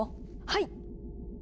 はい！